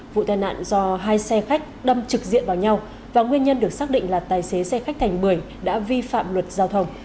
vụ tai nạn do hai xe khách đâm trực diện vào nhau và nguyên nhân được xác định là tài xế xe khách thành bưởi đã vi phạm luật giao thông